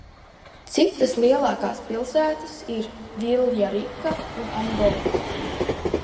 Citas lielākās pilsētas ir Viljarrika un Angola.